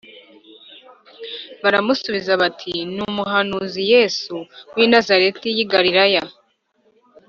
Barabasubiza bati “Ni umuhanuzi Yesu w’i Nazareti y’i Galilaya.”